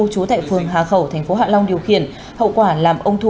chú tại phường hà khẩu thành phố hạ long điều khiển hậu quả làm ông thu